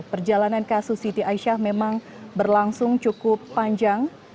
perjalanan kasus siti aisyah memang berlangsung cukup panjang